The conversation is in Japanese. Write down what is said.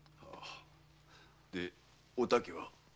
でお竹は？